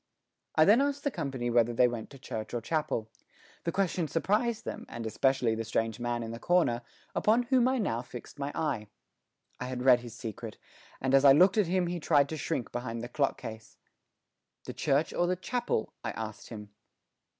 I then asked the company whether they went to church or to chapel. The question surprised them, and especially the strange man in the corner, upon whom I now fixed my eye. I had read his secret, and as I looked at him he tried to shrink behind the clock case. "The church or the chapel?" I asked him.